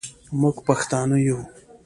موږ پښتانه یو